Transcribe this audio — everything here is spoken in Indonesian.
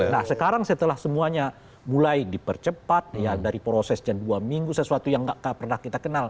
nah sekarang setelah semuanya mulai dipercepat ya dari proses dan dua minggu sesuatu yang nggak pernah kita kenal